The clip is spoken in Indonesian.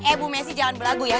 eh bu messi jangan berlagu ya